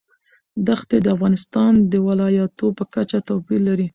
دښتې د افغانستان د ولایاتو په کچه توپیر لري.